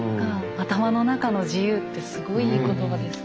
「頭の中の自由」ってすごいいい言葉ですね。